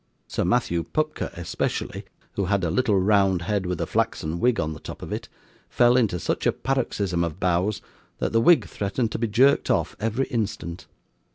Sir Matthew Pupker especially, who had a little round head with a flaxen wig on the top of it, fell into such a paroxysm of bows, that the wig threatened to be jerked off, every instant.